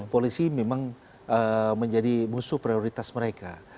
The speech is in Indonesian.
polisi memang menjadi musuh prioritas mereka